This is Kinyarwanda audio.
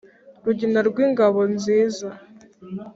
Rugina rw’ingabo nziza,